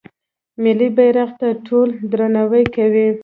ملي بیرغ ته ټول درناوی کوي.